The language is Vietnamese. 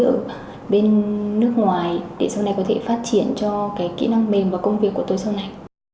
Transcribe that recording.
ở bên nước ngoài để sau này có thể phát triển cho cái kỹ năng mềm và công việc của tôi sau này